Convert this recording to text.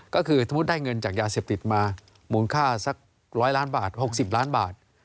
ก็คือสมมุติได้เงินจากยาเสพติดมามูลค่าสัก๑๐๐ล้านบาท๖๐ล้านบาท